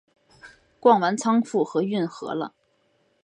逛完仓库和运河了